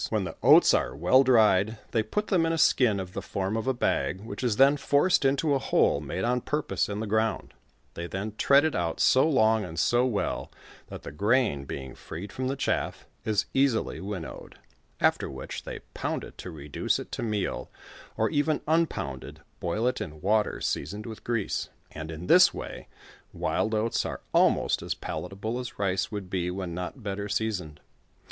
When the oats are well dried, they put them in a skin of the form of a bag, which is then forced into a hole made on purpose in the ground ; they then tread it out so long and so well, that the grain being freed from the chaff is easily win nowed ; after which they pound it to reduce it to meal, or even unpounded, boil it in water seasoned with grease, and in this way, wild oats are almost as palatable as rice would be when not better seasoned.